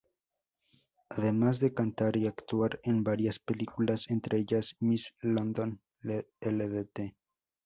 Además de cantar y actuar en varias películas, entre ellas "Miss London Ltd.